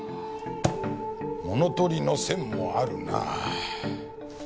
物取りの線もあるな。